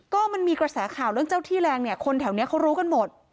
ก็มันมีกระแสข่าวเรื่องเจ้าที่แรงเนี่ยคนแถวนี้เขารู้กันหมด